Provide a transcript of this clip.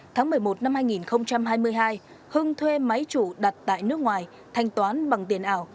tháng một mươi một năm hai nghìn hai mươi hai hưng thuê máy chủ đặt tại nước ngoài thanh toán bằng tiền ảo